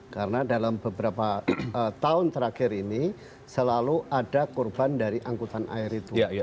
karena dalam beberapa tahun terakhir ini selalu ada korban dari angkutan air itu